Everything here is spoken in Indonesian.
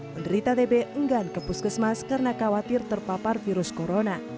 penderita tb enggan ke puskesmas karena khawatir terpapar virus corona